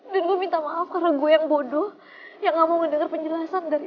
dan gue minta maaf karena gue yang bodoh yang gak mau ngedengar penjelasan dari lo